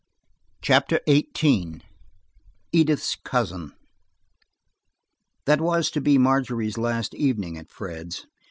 CHAPTER XVIII EDITH'S COUSIN THAT was to be Margery's last evening at Fred's.